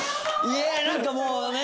いや何かもうね。